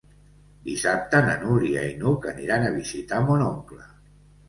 Dissabte na Núria i n'Hug aniran a visitar mon oncle.